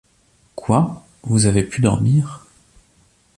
Quoi ? vous avez pu dormir !